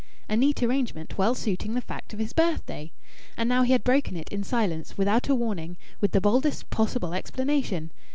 A neat arrangement, well suiting the fact of his birthday! And now he had broken it in silence, without a warning, with the baldest possible explanation!